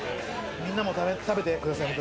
みんなも食べてください